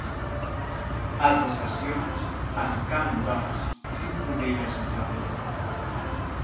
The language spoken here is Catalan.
Altres versions: en camp d'ors, sis rodelles de sable.